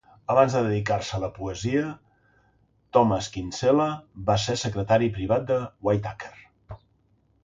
Abans de dedicar-se a la poesia, Thomas Kinsella va ser secretari privat de Whitaker.